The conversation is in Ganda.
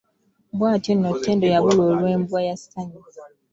Bwatyo nno Ttendo yabula olw'embwa ye Ssanyu.